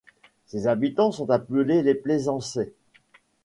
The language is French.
Ses habitants sont appelés les Plaisançais.